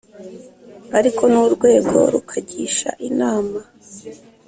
ariko n’urwego rukagisha inama